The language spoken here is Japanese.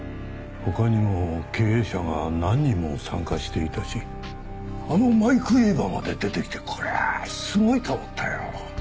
他にも経営者が何人も参加していたしあのマイク・ウィーバーまで出てきてこりゃあすごいと思ったよ。